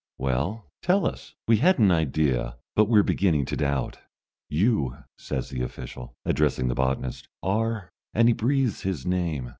Well tell us! We had an idea, but we're beginning to doubt." "You," says the official, addressing the botanist, "are !" And he breathes his name.